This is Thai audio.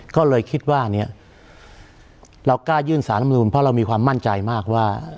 ก็เลยคิดว่าเนี่ยเรากล้ายื่นสารธรรมนุนเพราะเรามีความมั่นใจมากว่า